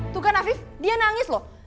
tuh kan afif dia nangis loh